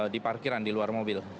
di parkiran di luar mobil